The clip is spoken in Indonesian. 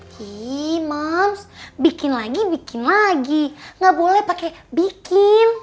ih mams bikin lagi bikin lagi nggak boleh pakai bikin